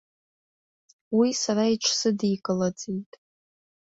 Уи сара иҽсыдикылаӡеит.